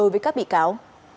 với các bị cáo